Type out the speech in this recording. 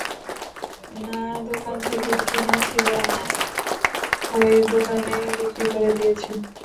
না, যে দোকান থেকে কিনেছিলে ঐ দোকানেই বিক্রি করে দিয়েছি।